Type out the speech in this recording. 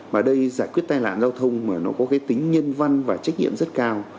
mà đây giải quyết tai nạn giao thông mà nó có cái tính nhân văn và trách nhiệm rất cao